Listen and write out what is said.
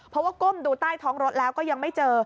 เพราะว่าก้มดูใต้ท้องรถแล้วก็ยังไม่เจอ